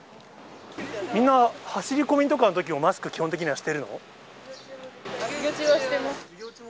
みんな走り込みとかのときにもマスク、授業中はしてます。